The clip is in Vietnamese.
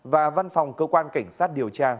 và văn phòng cơ quan cảnh sát điều tra